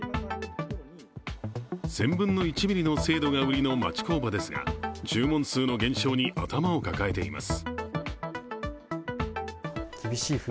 １０００分の１ｍｍの精度が売りの町工場ですが注文数の減少に頭を抱えています。